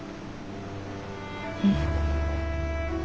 うん。